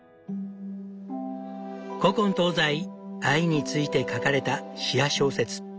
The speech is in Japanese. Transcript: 古今東西愛について書かれた詩や小説